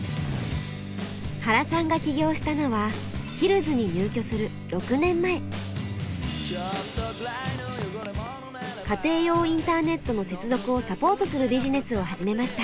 原さんが起業したのは家庭用インターネットの接続をサポートするビジネスを始めました。